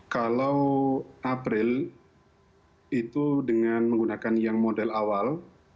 kalau april itu dengan menggunakan yang model awal